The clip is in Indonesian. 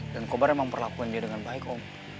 dan kobar emang perlakuin dia dengan baik om